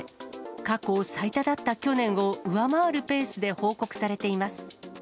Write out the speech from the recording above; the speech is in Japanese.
過去最多だった去年を上回るペースで報告されています。